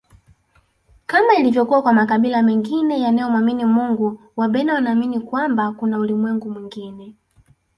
Kama ilivyo kwa makabila mengine yanayo mwamini Mungu Wabena wanaamini kwamba kuna ulimwengu mwingine